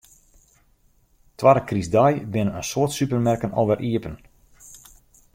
Twadde krystdei binne in soad supermerken alwer iepen.